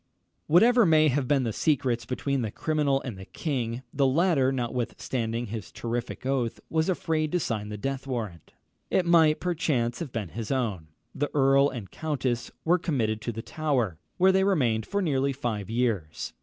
] Whatever may have been the secrets between the criminal and the king, the latter, notwithstanding his terrific oath, was afraid to sign the death warrant. It might, perchance, have been his own. The earl and countess were committed to the Tower, where they remained for nearly five years.